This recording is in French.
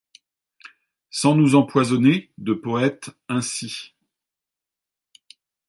Sans nous empoisonner de poètes ainsi !